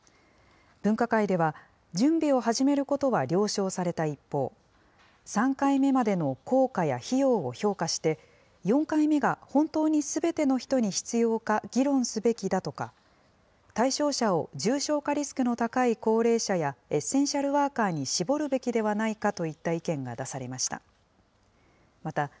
分科会では、準備を始めることは了承された一方、３回目までの効果や費用を評価して、４回目が本当にすべての人に必要か議論すべきだとか、対象者を重症化リスクの高い高齢者や、エッセンシャルワーカーに絞るべきではないかといった意見が出されました。